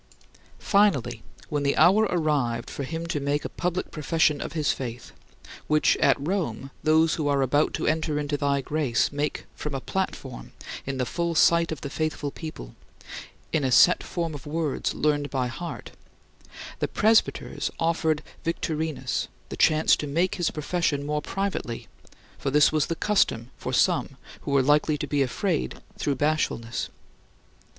5. Finally, when the hour arrived for him to make a public profession of his faith which at Rome those who are about to enter into thy grace make from a platform in the full sight of the faithful people, in a set form of words learned by heart the presbyters offered Victorinus the chance to make his profession more privately, for this was the custom for some who were likely to be afraid through bashfulness.